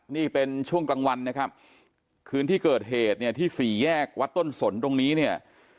นี่เป็นช่วงกลางวันนะครับคืนที่เกิดเหตุเนี่ยที่สี่แยกวัดต้นสนตรงนี้เนี่ย